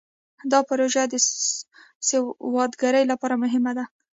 دا پروژه د سوداګرۍ لپاره مهمه ده.